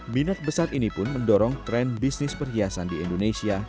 minat besar ini pun mendorong tren bisnis perhiasan di indonesia